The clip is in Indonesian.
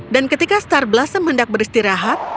dan ketika star blossom mendak beristirahat